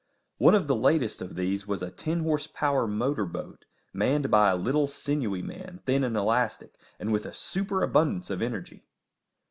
One of the latest of these was a ten horsepower motor boat, manned by a little, sinewy man, thin and elastic, and with a superabundance of energy.